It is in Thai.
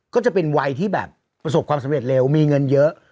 ก็จะเป็นวัยที่แบบประสบความสำเร็จเร็วมีเงินเยอะ